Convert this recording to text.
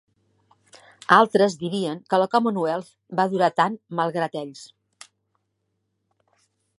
Altres dirien que la Commonwealth va durar tant "malgrat" ells.